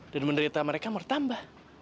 dan menderita mereka bertambah